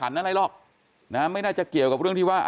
มันไม่ใช่อาถงอาถรรณ์อะไรหรอกไม่น่าจะเกี่ยวกับเรื่องที่ว่า